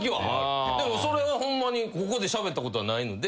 だけどそれはホンマにここでしゃべったことはないので。